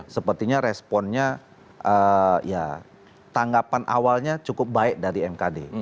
sepertinya responnya ya tanggapan awalnya cukup baik dari mkd